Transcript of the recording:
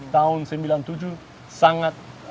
tahun sembilan puluh tujuh sangat